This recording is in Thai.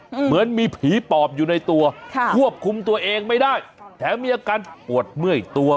เหมือนมีผีปอบอยู่ในตัวค่ะควบคุมตัวเองไม่ได้แถมมีอาการปวดเมื่อยตัว